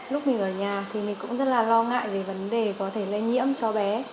lúc mình ở nhà thì mình cũng rất là lo ngại về vấn đề có thể lây nhiễm cho bé